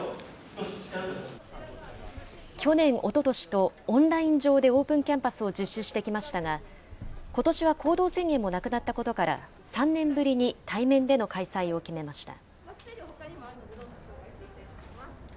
去年、おととしとオンライン上でオープンキャンパスを実施してきましたが、ことしは行動制限もなくなったことから、３年ぶりに対面での開催を決めました。